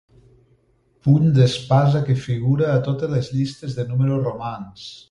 Puny d'espasa que figura a totes les llistes de números romans.